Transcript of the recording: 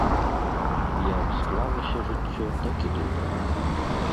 Як склалася жыццё, так і добра.